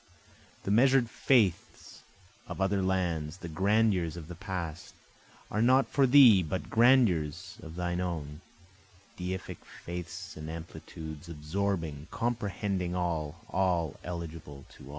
The measure'd faiths of other lands, the grandeurs of the past, Are not for thee, but grandeurs of thine own, Deific faiths and amplitudes, absorbing, comprehending all, All eligible to all.